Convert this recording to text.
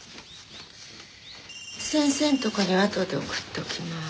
先生のところにはあとで送っておきます。